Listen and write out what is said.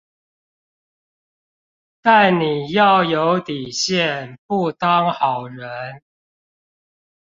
但你要有底線不當好人